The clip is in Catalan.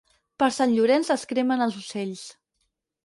Per Sant Llorenç es cremen els ocells.